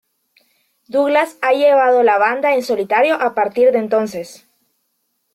Douglas ha llevado la banda en solitario a partir de entonces.